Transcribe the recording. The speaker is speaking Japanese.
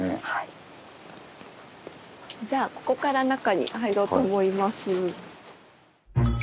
じゃあここから中に入ろうと思います。